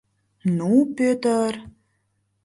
Ну, Пӧтыр!